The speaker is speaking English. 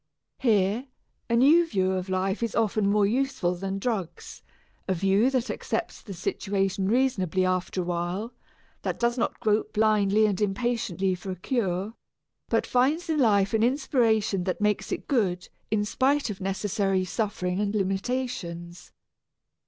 Here, a new view of life is often more useful than drugs, a view that accepts the situation reasonably after a while, that does not grope blindly and impatiently for a cure, but finds in life an inspiration that makes it good in spite of necessary suffering and limitations.